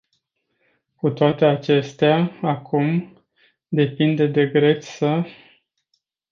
Cu toate acestea, acum, depinde de greci să...